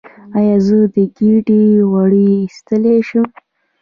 ایا زه د ګیډې غوړ ایستلی شم؟